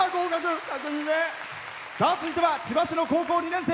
続いては千葉市の高校２年生。